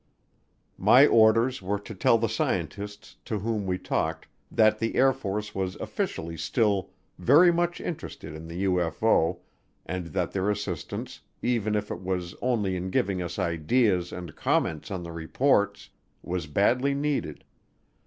My orders were to tell the scientists to whom we talked that the Air Force was officially still very much interested in the UFO and that their assistance, even if it was only in giving us ideas and comments on the reports, was badly needed.